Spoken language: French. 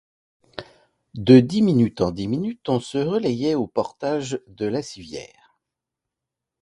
De dix minutes en dix minutes, on se relayait au portage de la civière.